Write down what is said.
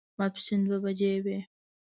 ماسپښين دوه بجې وې.